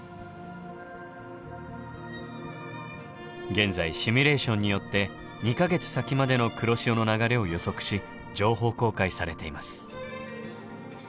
現在シミュレーションによって２か月先までの黒潮の流れを予測し情報公開されています。